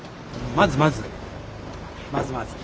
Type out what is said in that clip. まずまず。